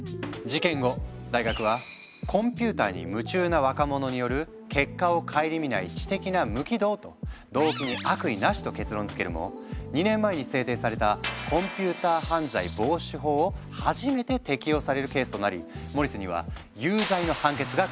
事件後大学は「コンピューターに夢中な若者による結果を顧みない知的な無軌道」と動機に悪意なしと結論づけるも２年前に制定されたを初めて適用されるケースとなりモリスには有罪の判決が下った。